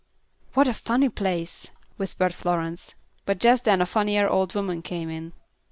"What a funny place," whispered Florence; but just then a funnier old woman came in.